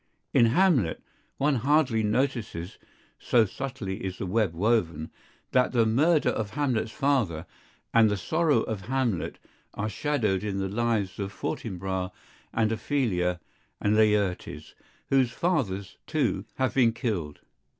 In Hamlet, one hardly notices, so subtly is the web woven, that the murder of Hamlet's father and the sorrow of Hamlet are shadowed in the lives of Fortinbras and Ophelia and Laertes, whose fathers, too, have been killed.